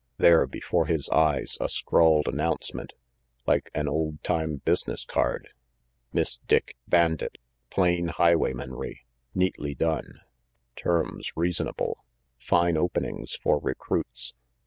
There, before his eyes, a scrawled announcement, like an old time business card: Miss Dick, Bandit, Plain Highwaymanry Neatly Done. Terms Reasonable. Fine Openings for Recruits.